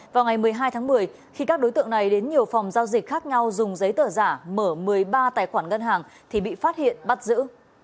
vào ngày một mươi hai tháng một mươi khi các đối tượng này đến nhiều phòng giao dịch khác nhau dùng giấy tờ giả mở một mươi ba tài khoản ngân hàng thì bị phát hiện bắt giữ